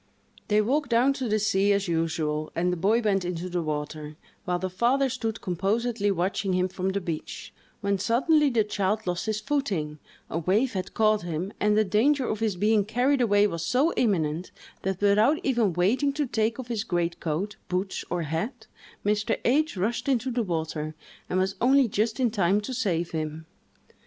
They walked down to the sea, as usual, and the boy went into the water, while the father stood composedly watching him from the beach, when suddenly the child lost his footing, a wave had caught him, and the danger of his being carried away was so imminent, that, without even waiting to take off his greatcoat, boots, or hat, Mr. H—— rushed into the water, and was only just in time to save him.